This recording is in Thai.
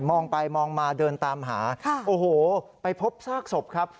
องไปมองมาเดินตามหาโอ้โหไปพบซากศพครับ